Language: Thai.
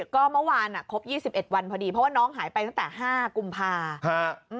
ก็เมื่อวานครบ๒๑วันพอดีเพราะว่าน้องหายไปตั้งแต่๕กุมภา